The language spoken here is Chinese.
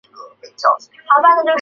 父许学范为乾隆三十七年进士。